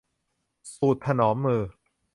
สูตรถนอมมือ